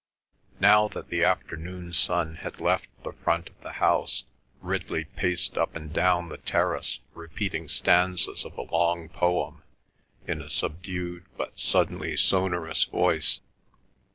Now that the afternoon sun had left the front of the house, Ridley paced up and down the terrace repeating stanzas of a long poem, in a subdued but suddenly sonorous voice.